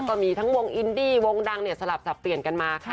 ก็มีทั้งวงอินดี้วงดังเนี่ยสลับสับเปลี่ยนกันมาค่ะ